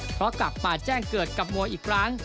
เพราะกลับมาแจ้งเกิดกับมวยอีกครั้ง